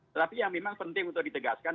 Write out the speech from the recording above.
tetapi yang memang penting untuk ditegaskan